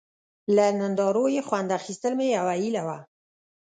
له نندارو یې خوند اخیستل مې یوه هیله وه.